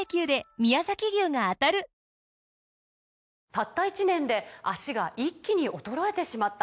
「たった１年で脚が一気に衰えてしまった」